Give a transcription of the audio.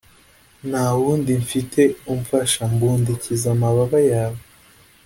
Ntawundi mfite umfasha mbundikiza amababa yawe